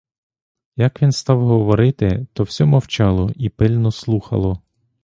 Як він став говорити, то всьо мовчало і пильно слухало.